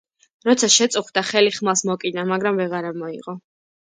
როცა შეწუხდა, ხელი ხმალს მოჰკიდა, მაგრამ ვეღარ ამოიღო